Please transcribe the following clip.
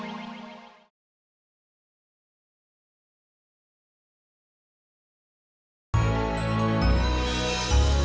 top kar furia